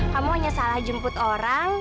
kamu hanya salah jemput orang